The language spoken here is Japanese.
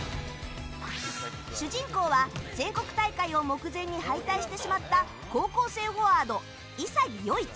主人公は全国大会を目前に敗退してしまった高校生フォワード、潔世一。